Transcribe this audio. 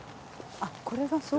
あっこれがそう？